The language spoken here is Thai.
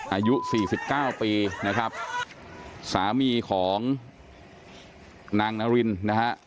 อายุ๔๙ปีนะครับสามีของนางนาวินนะครับ